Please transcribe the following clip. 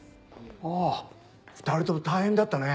あ２人とも大変だったね。